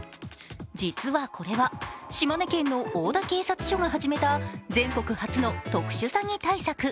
実はこれは島根県の大田警察署が始めた、全国初の特殊詐欺対策。